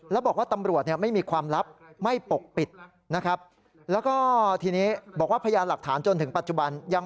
แล้วบอกว่าตำรวจไม่มีความลับไม่ปกปิดนะครับ